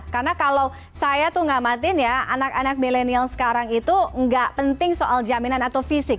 karena kalau saya tuh ngamatin ya anak anak milenial sekarang itu nggak penting soal jaminan atau fisik